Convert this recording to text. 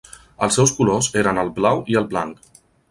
Els seus colors eren el blau i el blanc.